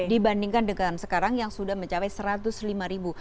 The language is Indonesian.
dibandingkan dengan sekarang yang sudah mencapai satu ratus lima ribu